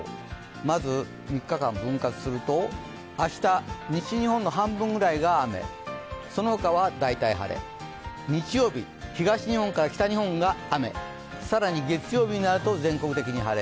まず３日間、分割すると、明日、西日本の半分ぐらいが雨、そのほかは大体晴れ、日曜日、東日本から北日本が雨更に月曜日になると全国的に晴れ。